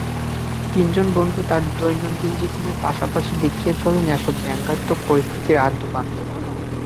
তিনজন বন্ধু, তাঁদের দৈনন্দিন জীবনের পাশাপাশি দেখিয়ে চলেন এসব ব্যঙ্গাত্মক পরিস্থিতির আদ্যোপান্ত।